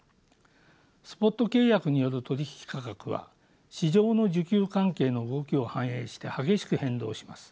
スポット契約による取引価格は市場の需給関係の動きを反映して激しく変動します。